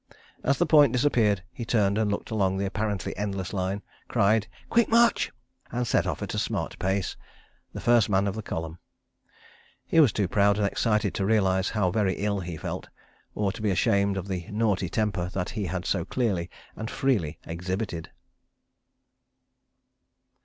As the point disappeared he turned and looked along the apparently endless line, cried "Quick March," and set off at a smart pace, the first man of the column. He was too proud and excited to realise how very ill he felt, or to be ashamed of the naughty temper that he had so clearly and freely exhibited.